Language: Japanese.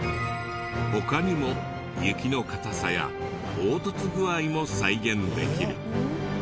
他にも雪の硬さや凹凸具合も再現できる。